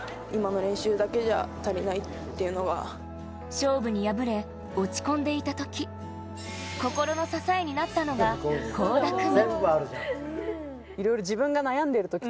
勝負に敗れ、落ち込んでいた時、心の支えになったのが倖田來未。